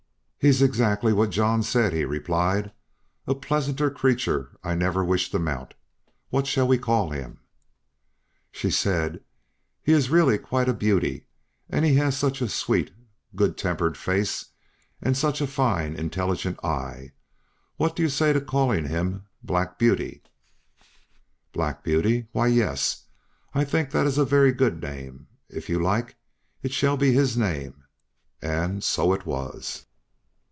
"He is exactly what John said," he replied; "a pleasanter creature I never wish to mount. What shall we call him?" She said: "He is really quite a beauty, and he has such a sweet, good tempered face and such a fine, intelligent eye what do you say to calling him 'Black Beauty'?" "Black Beauty why, yes, I think that is a very good name. If you like, it shall be his name"; and so it was.